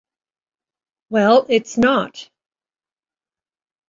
Well, it's not.